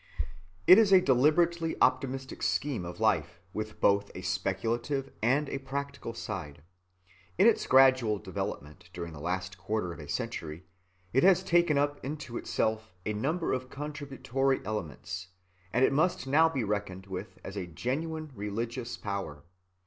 It is a deliberately optimistic scheme of life, with both a speculative and a practical side. In its gradual development during the last quarter of a century, it has taken up into itself a number of contributory elements, and it must now be reckoned with as a genuine religious power.